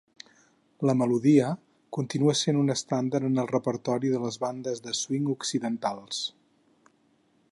La melodia continua sent un estàndard en el repertori de les bandes de swing occidentals.